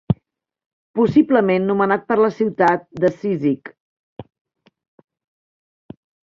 Possiblement nomenat per la ciutat de Cízic.